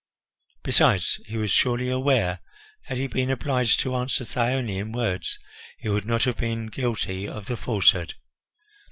Besides, he was surely aware that, had he been obliged to answer Thyone in words, he would not have been guilty of the falsehood.